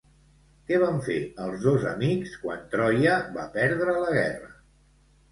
Què van fer els dos amics quan Troia va perdre la guerra?